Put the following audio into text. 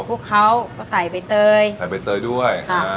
พุกเค้าก็ใส่ใบเตยใส่ใบเตยด้วย